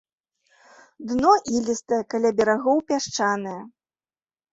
Дно ілістае, каля берагоў пясчанае.